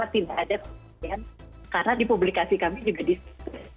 mungkin ada keberhasilan karena di publikasi kami juga disini